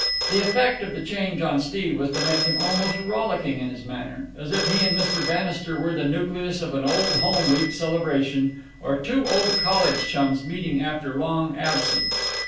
The effect of the change on Steve was to make him almost rollicking in his manner, as if he and Mr. Bannister were the nucleus of an Old Home Week celebration or two old college chums meeting after long absence.